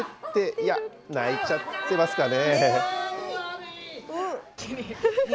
いや、泣いちゃってますかね。